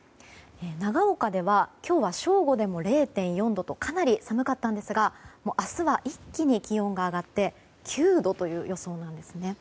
長岡では今日は正午でも０．４度とかなり寒かったんですが明日は一気に気温が上がって９度という予想なんです。